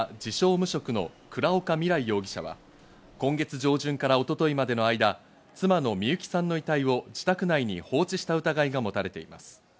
無職の倉岡未来容疑者は、今月上旬から一昨日までの間、妻の美友紀さんの遺体を自宅内に放置した疑いが持たれています。